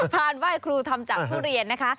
ไหว้ครูทำจากทุเรียนนะคะ